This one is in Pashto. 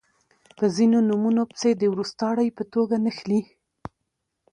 په ځینو نومونو پسې د وروستاړي په توګه نښلی